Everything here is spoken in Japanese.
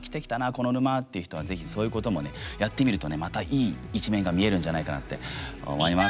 この沼っていう人はそういうこともやってみるといい１年が見えるんじゃないかなと思います。